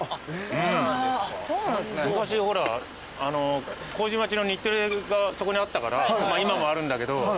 昔ほら麹町の日テレがそこにあったから今もあるんだけど。